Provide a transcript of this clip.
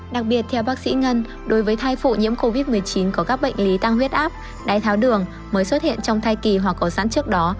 đặc biệt theo bác sĩ ngân đối với thai phụ nhiễm covid một mươi chín có các bệnh lý tăng huyết áp đáy tháo đường mới xuất hiện trong thai kỳ hoặc có sẵn trước đó